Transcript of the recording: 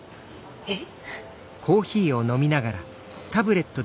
えっ？